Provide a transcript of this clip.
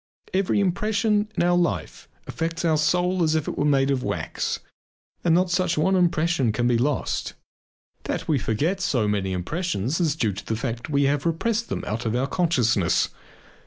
Every impression in our life affects our soul as if it were made of wax and not one such impression can be lost. That we forget so many impressions is due to the fact that we have repressed them out of our consciousness.